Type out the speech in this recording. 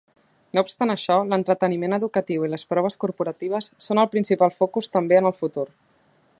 No obstant això, l'entreteniment educatiu i les proves corporatives són el principal focus també en el futur.